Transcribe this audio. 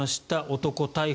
男、逮捕。